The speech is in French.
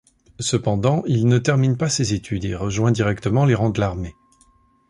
Cependant, il ne termine pas ses études et rejoint directement les rangs de l'armée.